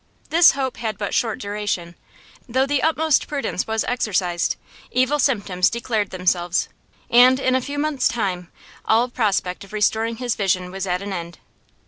This hope had but short duration; though the utmost prudence was exercised, evil symptoms declared themselves, and in a few months' time all prospect of restoring his vision was at an end.